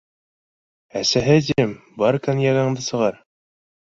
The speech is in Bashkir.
- Әсәһе, тим, бар коньягыңды сығар